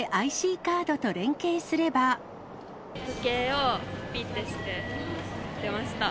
時計を、ぴってして出ました。